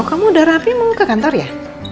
kamu udah rapi mau ke kantor ya